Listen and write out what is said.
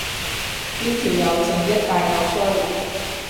呢條友正一大嚿衰